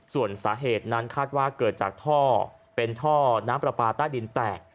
ส่วนสาเหตุนั้นคาดว่าเกิดจากท่อเป็นท่อน้ำปลาปลาใต้ดินแตก